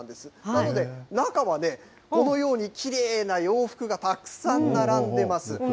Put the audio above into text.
なので、中はね、このようにきれいな洋服がたくさん並んでます。